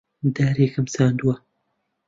دارێکم چاندووە.